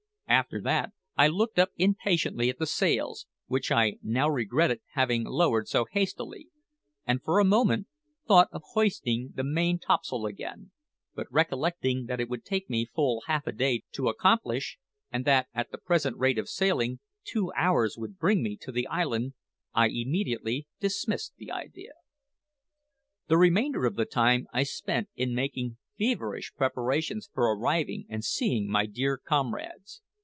After that I looked up impatiently at the sails, which I now regretted having lowered so hastily, and for a moment thought of hoisting the main topsail again; but recollecting that it would take me full half a day to accomplish, and that, at the present rate of sailing, two hours would bring me to the island, I immediately dismissed the idea. The remainder of the time I spent in making feverish preparations for arriving and seeing my dear comrades.